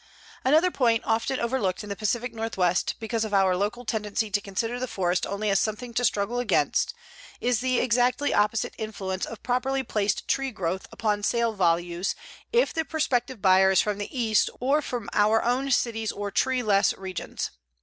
Another point often overlooked in the Pacific Northwest, because of our local tendency to consider the forest only as something to struggle against, is the exactly opposite influence of properly placed tree growth upon sale values if the prospective buyer is from the East or from our own cities or tree less regions.